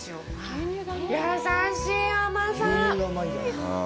優しい甘さ！